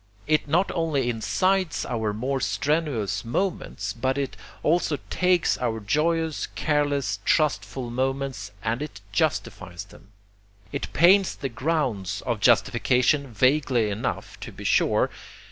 It not only incites our more strenuous moments, but it also takes our joyous, careless, trustful moments, and it justifies them. It paints the grounds of justification vaguely enough, to be sure.